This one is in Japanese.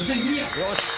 よし！